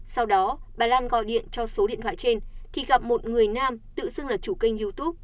sau đó bà lan gọi điện cho số điện thoại trên thì gặp một người nam tự xưng là chủ kênh youtube